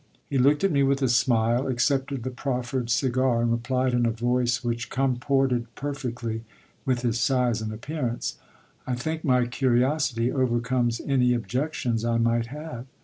He looked at me with a smile, accepted the proffered cigar, and replied in a voice which comported perfectly with his size and appearance: "I think my curiosity overcomes any objections I might have."